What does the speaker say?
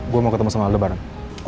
gue mau ketemu sama alda bareng